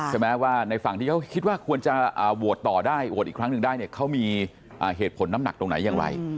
ใช่ไหมว่าในฝั่งที่เขาคิดว่าควรจะโหวตต่อได้โหวตอีกครั้งหนึ่งได้เนี่ยเขามีเหตุผลน้ำหนักตรงไหนอย่างไร